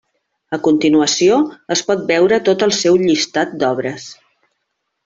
A continuació es pot veure tot el seu llistat d'obres.